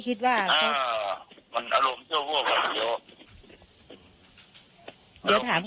กินอะไรกันแน่เดี๋ยวแซวหน่อยสิ